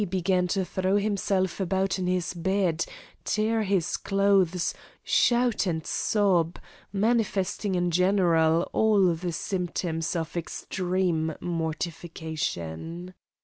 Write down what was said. began to throw himself about in his bed, tear his clothes, shout and sob, manifesting in general all the symptoms of extreme mortification.